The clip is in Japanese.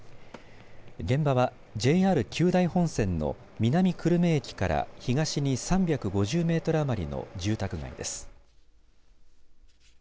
現場はＪＲ久大本線の南久留米駅から東に３５０メートル余りの住宅街です。